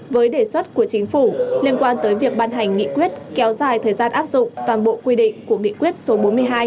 với đề xuất của chính phủ liên quan tới việc ban hành nghị quyết kéo dài thời gian áp dụng toàn bộ quy định của nghị quyết số bốn mươi hai